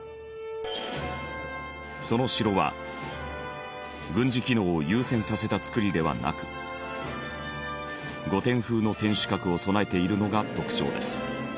その城は軍事機能を優先させた造りではなく御殿風の天守閣を備えているのが特徴です。